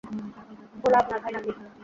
ভোলা আপনার ভাই না-কি?